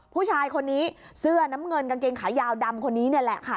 ผู้ชายคนนี้เสื้อน้ำเงินกางเกงขายาวดำคนนี้นี่แหละค่ะ